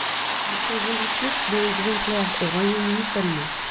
Il s'en vendit plus de exemplaires au Royaume-Uni seulement.